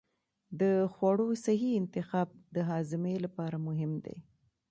د خوړو صحي انتخاب د هاضمې لپاره مهم دی.